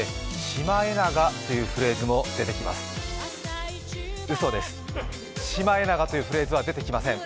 シマエナガというフレーズは出てきません。